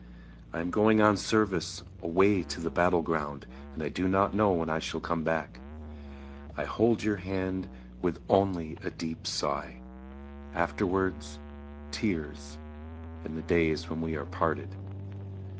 I am going on service, away to the battle ground, And I do not know when I shall come back. I hold your hand with only a deep sigh; Afterwards, tears in the days when we are parted.